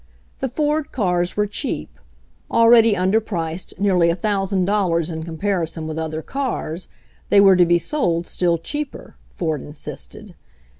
The Ford cars were cheap. Already under priced nearly a thousand dollars in comparison with other cars, they were to be sold still cheaper, Ford insisted.